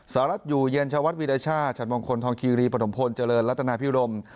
สหรัฐอยู่เย็นชาวัดวิรชาติฉัดมงคลทองคีรีปฐมพลเจริญรัฐนาพิรม